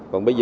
còn bây giờ